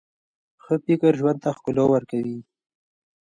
ښه فکر ژوند ته ښکلا ورکوي.